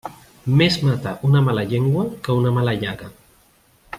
Més mata una mala llengua que una mala llaga.